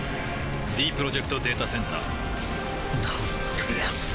ディープロジェクト・データセンターなんてやつなんだ